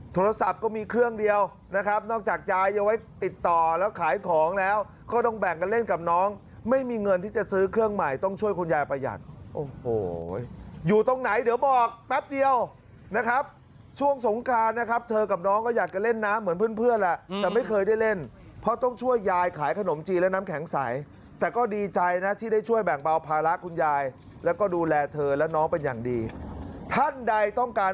โทรศัพท์ก็มีเครื่องเดียวนะครับนอกจากยายเอาไว้ติดต่อแล้วขายของแล้วก็ต้องแบ่งกันเล่นกับน้องไม่มีเงินที่จะซื้อเครื่องใหม่ต้องช่วยคุณยายประหยัดโอ้โหอยู่ตรงไหนเดี๋ยวบอกแป๊บเดียวนะครับช่วงสงการนะครับเธอกับน้องก็อยากเล่นน้ำเหมือนเพื่อนแล้วแต่ไม่เคยได้เล่นเพราะต้องช่วยยายขายขนมจีนและน้ำแ